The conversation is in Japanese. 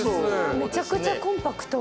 めちゃくちゃコンパクト。